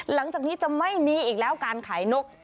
หลังจากนี้จะไม่มีอีกแล้วการขายนก